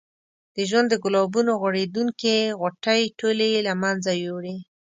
د ژوند د ګلابونو غوړېدونکې غوټۍ ټولې یې له منځه یوړې.